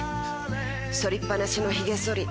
そりっ放しのひげそり